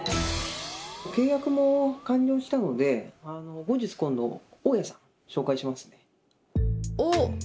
契約も完了したので後日今度大家さん紹介しますね。